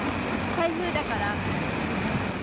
台風だから。